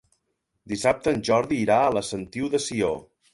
Dissabte en Jordi irà a la Sentiu de Sió.